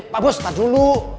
pak bos tak dulu